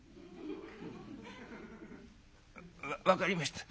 「わっ分かりました。